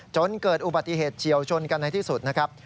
จนเกิดอุบัติเหตุเฉียวชนกันในที่สุดนะครับ